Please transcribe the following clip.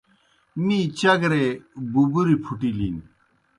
می چگرے بُبری پُھٹِلِن۔